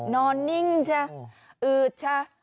นอนนิ่งชะอืดชะ